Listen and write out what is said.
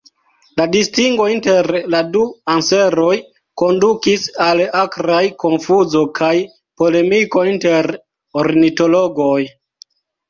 La distingo inter la du anseroj kondukis al akraj konfuzo kaj polemiko inter ornitologoj.